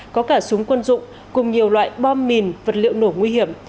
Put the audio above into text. có cả súng quân dụng cùng nhiều loại bom mìn vật liệu nổ nguy hiểm